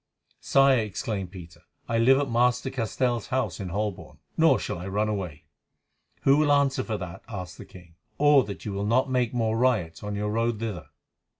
"Sire," exclaimed Peter, "I live at Master Castell's house in Holborn, nor shall I run away." "Who will answer for that," asked the king, "or that you will not make more riots on your road thither?"